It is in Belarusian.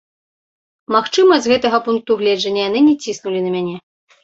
Магчыма, з гэтага пункту гледжання яны не ціснулі на мяне.